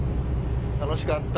楽しかった。